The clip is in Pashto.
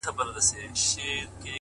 هره پرېکړه راتلونکی جوړوي؛